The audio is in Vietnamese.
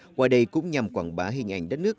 qua đây cũng nhằm quảng bá hình ảnh đất nước